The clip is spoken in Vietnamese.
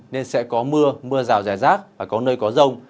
nên sẽ có mưa mưa rào rẻ rác và có nơi có rông